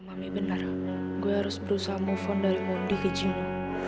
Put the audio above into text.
mami bener gue harus berusaha move on dari mondi ke jimu